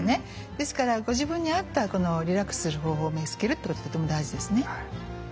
ですからご自分に合ったこのリラックスする方法を見つけるってこととても大事ですね。